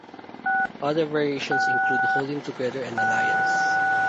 Other variations include "holding together" and "alliance".